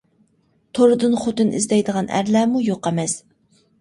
توردىن خوتۇن ئىزدەيدىغان ئەرلەرمۇ يوق ئەمەس.